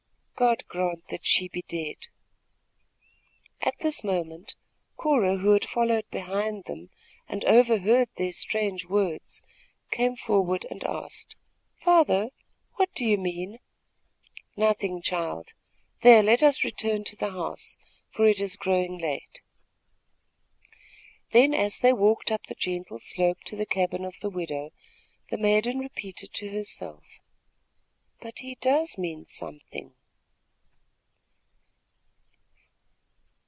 "God grant that she be dead!" At this moment, Cora, who had followed behind them and overheard their strange words, came forward and asked: "Father, what do you mean?" "Nothing, child. There, let us return to the house, for it is growing late." Then, as they walked up the gentle slope to the cabin of the widow, the maiden repeated to herself: "But he does mean something!"